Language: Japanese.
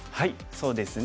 そうですね。